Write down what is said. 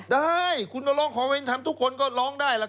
ได้คุณมาร้องขอเป็นธรรมทุกคนก็ร้องได้ล่ะครับ